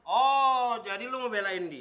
oh jadi lo mau belain dia